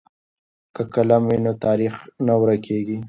که قلم وي نو تاریخ نه ورکېږي.